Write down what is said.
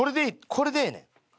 これでええねん。